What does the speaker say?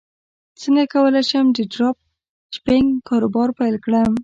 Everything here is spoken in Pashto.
څنګه کولی شم د ډراپ شپینګ کاروبار پیل کړم